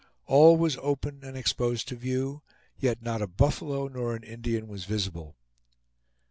All was open and exposed to view, yet not a buffalo nor an Indian was visible.